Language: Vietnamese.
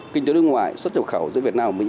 kinh tế nước ngoài xuất nhập khẩu giữa việt nam và mỹ